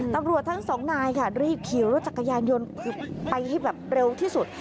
ตำรวจทั้งสองนายค่ะรีบขี่รถจักรยานยนต์ไปที่เร็วที่สุด